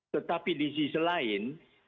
tetapi di sisi lain